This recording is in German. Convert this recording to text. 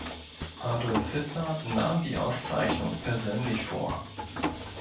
Adolf Hitler nahm die Auszeichnung persönlich vor.